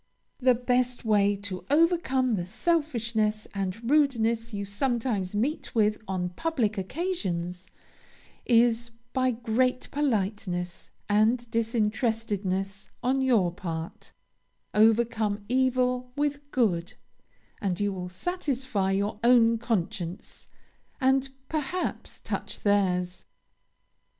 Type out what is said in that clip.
'" The best way to overcome the selfishness and rudeness you sometimes meet with on public occasions, is, by great politeness and disinterestedness on your part; overcome evil with good, and you will satisfy your own conscience, and, perhaps, touch theirs.